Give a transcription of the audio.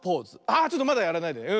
あちょっとまだやらないで。